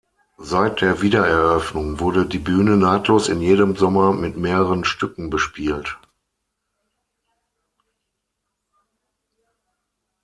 Seit der Wiedereröffnung wurde die Bühne nahtlos in jedem Sommer mit mehreren Stücken bespielt.